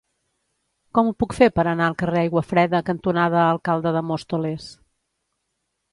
Com ho puc fer per anar al carrer Aiguafreda cantonada Alcalde de Móstoles?